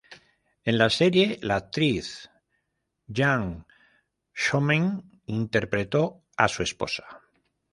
En la serie la actriz Jung So-min interpretó a su esposa.